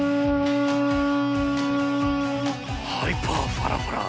ハイパーファラボラー。